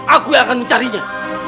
aku yang akan mencarinya